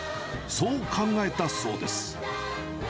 そう考えたそうです。